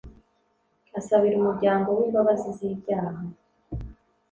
asabira umuryango we imbabazi z’ibyaha.